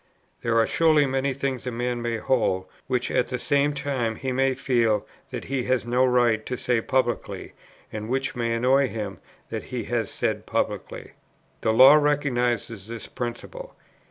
There are surely many things a man may hold, which at the same time he may feel that he has no right to say publicly, and which it may annoy him that he has said publicly. The law recognizes this principle.